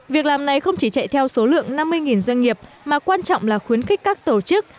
việc làm này không chỉ chạy theo số lượng năm mươi doanh nghiệp mà quan trọng là khuyến khích các tổ chức